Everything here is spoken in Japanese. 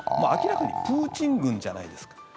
明らかにプーチン軍じゃないですか。